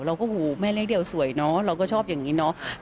เราก็โหแม่เลี้ยงเดี่ยวสวยเนอะเราก็ชอบอย่างนี้เนอะ